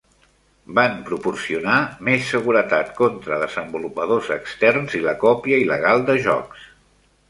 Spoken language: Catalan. Van proporcionar més seguretat contra desenvolupadors externs i la còpia il·legal de jocs.